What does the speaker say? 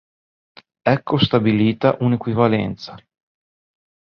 Ecco stabilita un'equivalenza.